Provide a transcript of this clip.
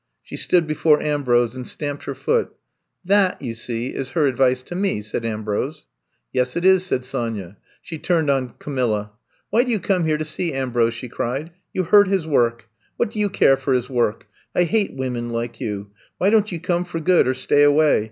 '' She stood before Ambrose and stamped her foot. That, you see, is her advice to me," said Ambrose. Yes, it is, '' said Sonya. She turned on Camilla. Why do you come here to see Ambrose?" she cried. You hurt his work. What do you care for his work? I hate women like you! Why don't you come for good or stay away?